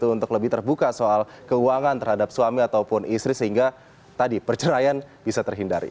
untuk lebih terbuka soal keuangan terhadap suami ataupun istri sehingga tadi perceraian bisa terhindari